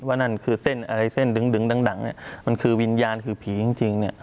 ว่านั่นคือเส้นอะไรเส้นดึงดังมันคือวิญญาณคือผีจริง